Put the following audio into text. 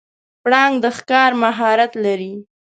پړانګ د ښکار مهارت لري.